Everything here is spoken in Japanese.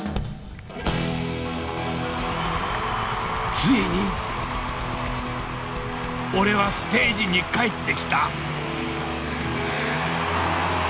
ついに俺はステージに帰ってきた。